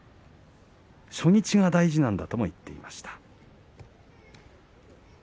初日が大事なんだとも言っていました。